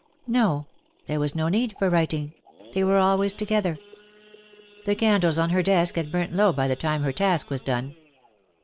No ; there was no need for writing — they were always together/'' The candles on her desk had burnt low by the time her task was done.